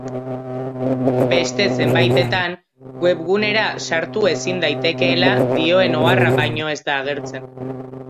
Beste zenbaitetan, webgunera sartu ezin daitekeela dioen oharra baino ez da agertzen.